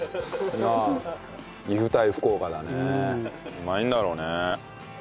うまいんだろうね。